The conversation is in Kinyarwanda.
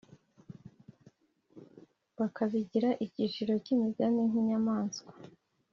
bakabigira iciro ry’imigani, nk’inyamaswa